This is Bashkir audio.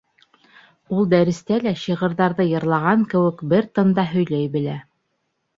Ул дәрестә лә шиғырҙарҙы йырлаған кеүек бер тында һөйләй белә...